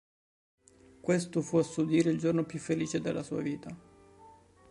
Questo fu a suo dire “il giorno più felice della sua vita”.